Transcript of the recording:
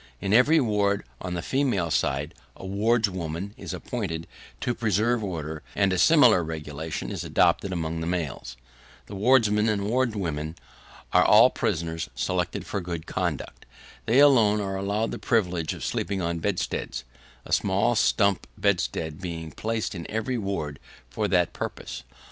In every ward on the female side, a wardswoman is appointed to preserve order, and a similar regulation is adopted among the males. The wardsmen and wardswomen are all prisoners, selected for good conduct. They alone are allowed the privilege of sleeping on bedsteads; a small stump bedstead being placed in every ward for that purpose.